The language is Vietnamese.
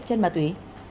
chất ma túy